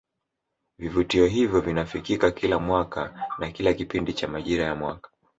Vivutio hivyo vinafikika kila mwaka na kila kipindi cha majira ya mwaka